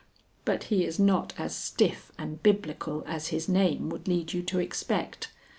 But he is not as stiff and biblical as his name would lead you to expect.